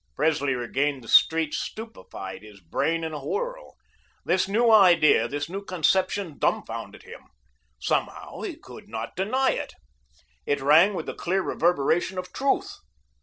Presley regained the street stupefied, his brain in a whirl. This new idea, this new conception dumfounded him. Somehow, he could not deny it. It rang with the clear reverberation of truth.